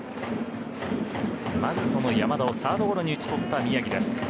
まず、その山田をサードゴロに打ち取った宮城です。